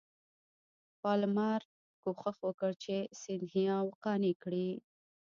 پالمر کوښښ وکړ چې سیندهیا قانع کړي.